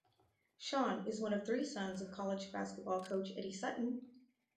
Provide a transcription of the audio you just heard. Sean is one of three sons of college basketball coach Eddie Sutton.